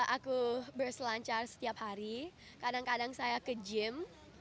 aku berselancar setiap hari kadang kadang saya ke gym